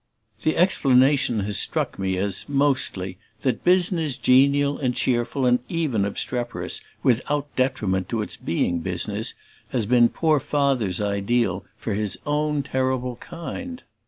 The explanation has struck me as, mostly, that business genial and cheerful and even obstreperous, without detriment to its BEING business, has been poor Father's ideal for his own terrible kind.